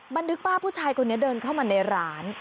บันทึกป้าผู้ชายคนนี้เดินเข้ามาในร้าน